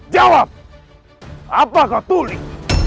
jawab apa kau tulis